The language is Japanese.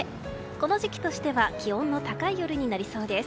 この時期としては気温の高い夜になりそうです。